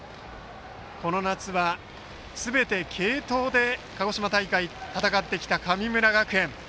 この夏は、すべて継投で鹿児島大会を戦ってきた神村学園。